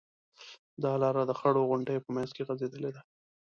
دا لاره د خړو غونډیو په منځ کې غځېدلې ده.